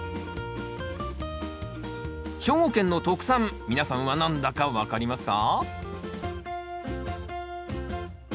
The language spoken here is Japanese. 兵庫県の特産皆さんは何だか分かりますか？